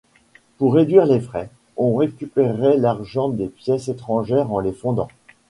Pour réduire les frais, on récupérait l'argent des pièces étrangères en les fondant.